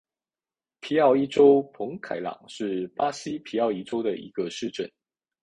皮奥伊州博凯朗是巴西皮奥伊州的一个市镇。